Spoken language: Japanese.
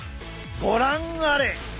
ご覧あれ！